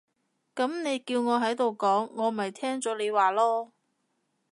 噉你叫我喺度講，我咪聽咗你話囉